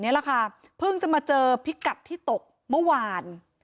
นี่แหละค่ะเพิ่งจะมาเจอพิกัดที่ตกเมื่อวาน